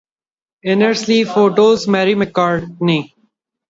Inner sleeve photos: Mary McCartney.